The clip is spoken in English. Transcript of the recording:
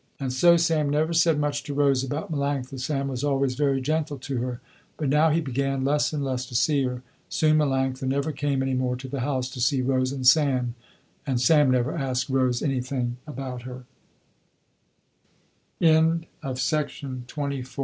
And so Sam never said much to Rose about Melanctha. Sam was always very gentle to her, but now he began less and less to see her. Soon Melanctha never came any more to the house to see Rose and Sam never asked Rose anything about he